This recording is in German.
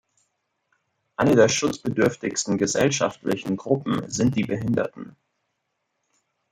Eine der schutzbedürftigsten gesellschaftlichen Gruppen sind die Behinderten.